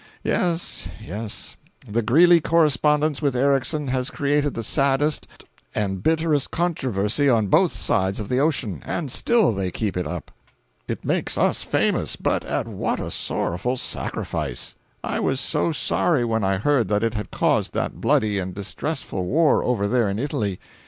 Yes, yes—the Greeley correspondence with Erickson has created the saddest and bitterest controversy on both sides of the ocean—and still they keep it up! It makes us famous, but at what a sorrowful sacrifice! I was so sorry when I heard that it had caused that bloody and distressful war over there in Italy.